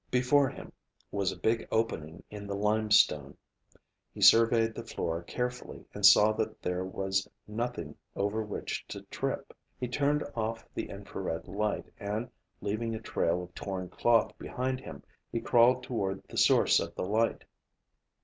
Before him was a big opening in the limestone. He surveyed the floor carefully and saw that there was nothing over which to trip. He turned off the infrared light, and, leaving a trail of torn cloth behind him, he crawled toward the source of the light.